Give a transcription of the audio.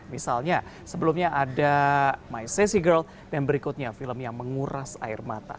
misalnya sebelumnya ada my sassi girld dan berikutnya film yang menguras air mata